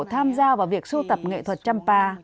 tham gia vào việc sưu tập nghệ thuật trăm pa